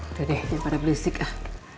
udah deh yang pada berisik ah